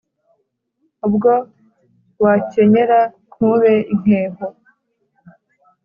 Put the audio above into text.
Ubwo wankenyera ntube inkeho,